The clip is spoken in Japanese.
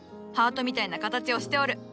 ハートみたいな形をしておる。